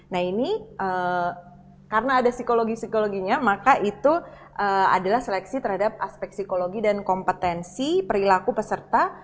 nah ini karena ada psikologi psikologinya maka itu adalah seleksi terhadap aspek psikologi dan kompetensi perilaku peserta